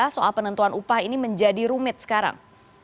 soal penentuan upah ini menjadi rumit sekarang